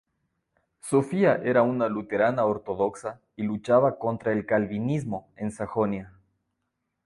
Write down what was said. Sofía era una luterana ortodoxa, y luchaba contra el calvinismo en Sajonia.